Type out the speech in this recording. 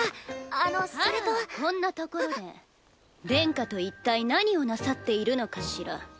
・あらこんな所で殿下と一体何をなさっているのかしら？